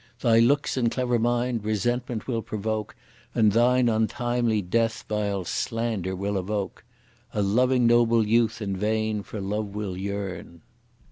Thy looks and clever mind resentment will provoke, And thine untimely death vile slander will evoke! A loving noble youth in vain for love will yearn.